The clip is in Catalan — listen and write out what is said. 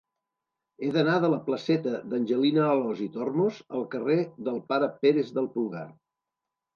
He d'anar de la placeta d'Angelina Alòs i Tormos al carrer del Pare Pérez del Pulgar.